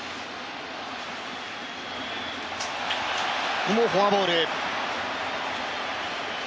ここもフォアボール。